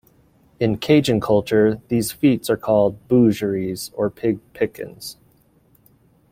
In Cajun culture, these feats are called "boucheries" or "pig pickin's".